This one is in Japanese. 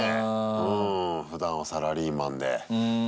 うんふだんはサラリーマンで。